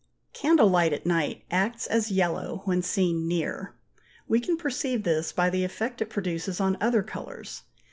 Candle light at night acts as yellow when seen near; we can perceive this by the effect it produces on other colours.